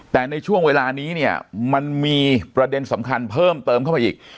แต่ในช่วงเวลานี้เนี่ยมันมีประเด็นสำคัญเพิ่มเติมเข้าไปอีก